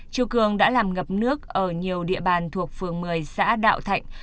chiều cường đã làm ngập nước ở nhiều địa bàn thuộc phường một mươi xã đạo thạnh